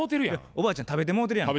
おばあちゃん食べてもうてるやんか。